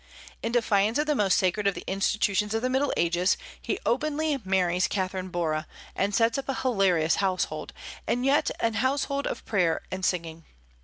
In defiance of the most sacred of the institutions of the Middle Ages, he openly marries Catherine Bora and sets up a hilarious household, and yet a household of prayer and singing.